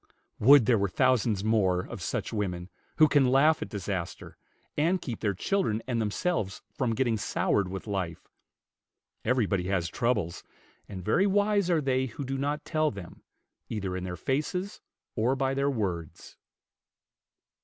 Would there were thousands more of such women, who can laugh at disaster, and keep their children and themselves from getting soured with life. Everybody has troubles; and very wise are they who do not tell them, either in their faces or by their words.